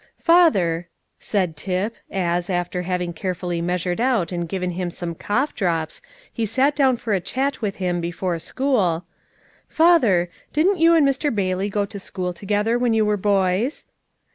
"Father," said Tip, as, after having carefully measured out and given him some cough drops, he sat down for a chat with him before school, "father, didn't you and Mr. Bailey go to school together when you were boys?"